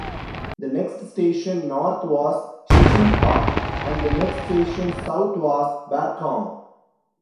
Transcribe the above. The next station north was Sheffield Park and the next station south was Barcombe.